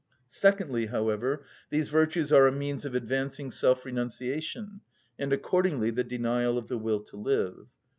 Secondly, however, these virtues are a means of advancing self‐ renunciation, and accordingly the denial of the will to live.